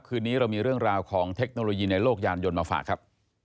คืนนี้เรามีเรื่องราวของเทคโนโลยีในโลกยานยนต์มาฝากครับ